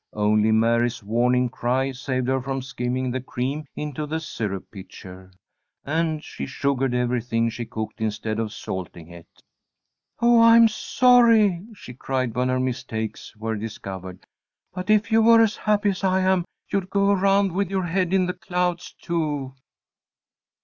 Only Mary's warning cry saved her from skimming the cream into the syrup pitcher, and she sugared everything she cooked instead of salting it. "Oh, I'm sorry," she cried, when her mistakes were discovered, "but if you were as happy as I am you'd go around with your head in the clouds too."